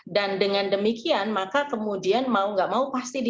dan dengan demikian maka kemudian mau nggak mau pasti dia